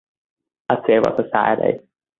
A civil society.